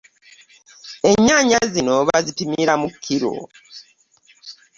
Ennyaanya zino bazipimira mu kkiro